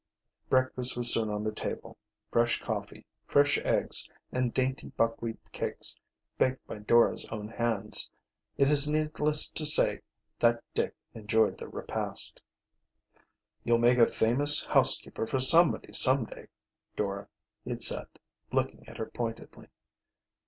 Breakfast was soon on the table fresh coffee, fresh eggs, and dainty buckwheat cakes baked by Dora's own hands. It is needless to say that Dick enjoyed the repast. "You'll make a famous housekeeper for somebody some day, Dora," he said, looking at her pointedly.